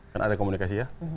kan ada komunikasi ya